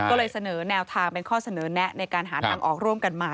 ก็เลยเสนอแนวทางเป็นข้อเสนอแนะในการหาทางออกร่วมกันมา